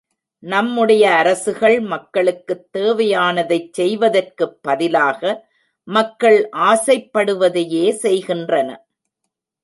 நம்முடைய அரசுகள் மக்களுக்குத் தேவையானதைச் செய்வதற்குப் பதிலாக மக்கள் ஆசைப் படுவதையே செய்கின்றன.